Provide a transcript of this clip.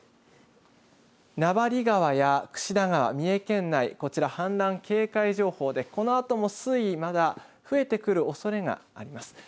名張川や櫛田川、三重県内、こちら、氾濫警戒情報で、このあとも水位、まだ増えてくるおそれがあります。